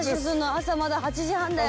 朝まだ８時半だよ。